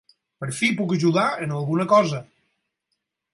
Per fi puc ajudar en alguna cosa.